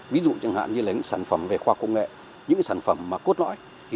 ví dụ như sản phẩm về khoa công nghệ những sản phẩm cốt lõi